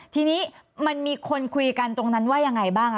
ทีนี้มันมีคนคุยกันตรงนั้นว่ายังไงบ้างคะ